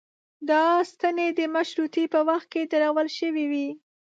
دا ستنې د مشروطې په وخت کې درول شوې وې.